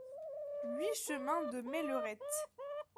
huit chemin de Mellerettes